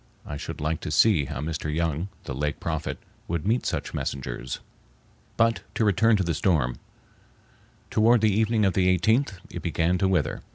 I should like to see how Mr. Young, the Lake Prophet, would meet such messengers. But to return to the storm. Toward the evening of the 18th it began to wither.